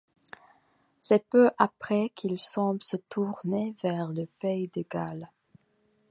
C'est peu après qu'il semble se tourner vers le Pays de Galles.